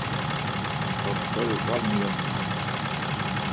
T̆oxt̆ori var miyonunan.